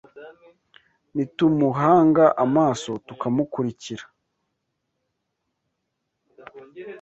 Nitumuhanga amaso tukamukurikira